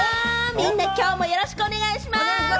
みんなきょうもよろしくお願いします。